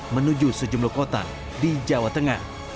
menuju sejumlah kota di jawa tengah